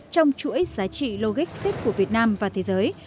trong chuỗi giá trị logistics của việt nam và thế giới